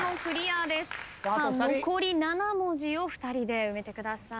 残り７文字を２人で埋めてください。